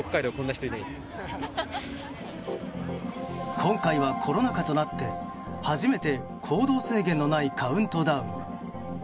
今回はコロナ禍となって初めて行動制限のないカウントダウン。